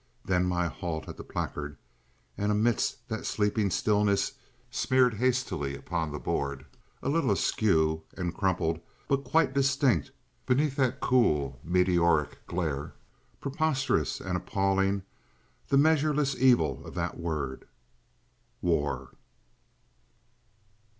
Then my halt at the placard. And amidst that sleeping stillness, smeared hastily upon the board, a little askew and crumpled, but quite distinct beneath that cool meteoric glare, preposterous and appalling, the measureless evil of that word— "WAR!"